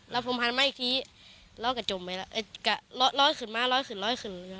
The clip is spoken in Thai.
แล้วผมหันมาอีกทีแล้วก็จมไปแล้วก็ร้อยขึ้นมาร้อยขึ้นร้อยขึ้น